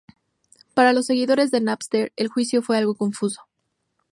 Para los seguidores de Napster el juicio fue algo confuso.